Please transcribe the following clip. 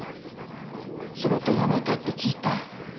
仕事辞めたって聞いた。